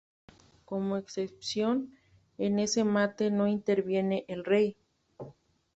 Como excepción, en este mate no interviene el rey.